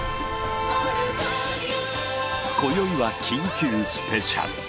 今宵は緊急スペシャル。